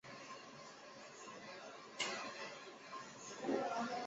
目前正受采金业和非法伐木的威胁。